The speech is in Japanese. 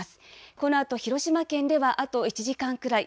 このあと広島県では、あと１時間くらい。